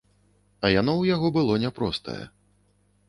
А яно ў яго было няпростае.